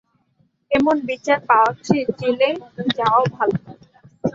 এমন বিচার পাওয়ার চেয়ে জেলে যাওয়া ভালো।